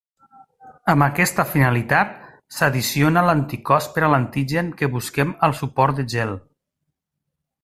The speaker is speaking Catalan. Amb aquesta finalitat s'addiciona l'anticòs per a l'antigen que busquem al suport de gel.